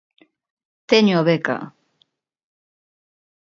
Teño a beca...